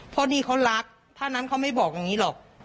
เพราะนี่เขารักถ้านั้นเขาไม่บอกอย่างนี้หรอก